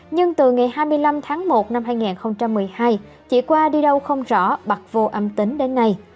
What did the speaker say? nhưng từ ngày hai mươi năm tháng một năm hai nghìn một mươi hai chị qua đi đâu không rõ mặc vô âm tính đến nay